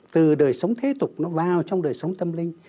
từ đời sống thế tục nó vào trong đời sống tâm linh